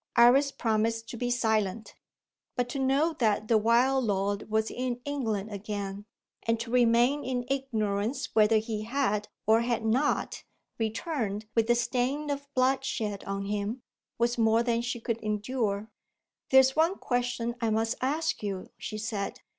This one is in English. Iris promised to be silent. But to know that the wild lord was in England again, and to remain in ignorance whether he had, or had not, returned with the stain of bloodshed on him, was more than she could endure. "There is one question I must ask you," she said.